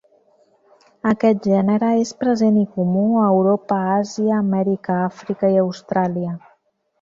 Aquest gènere és present i comú a Europa, Àsia, Amèrica, Àfrica i Austràlia.